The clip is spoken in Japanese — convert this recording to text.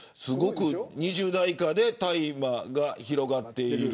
２０代以下で大麻が広まっている。